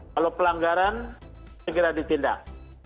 kalau pelanggaran segera ditindak